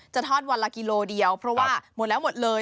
ทอดวันละกิโลเดียวเพราะว่าหมดแล้วหมดเลย